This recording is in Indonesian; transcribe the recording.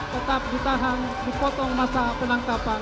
tetap ditahan dipotong masa penangkapan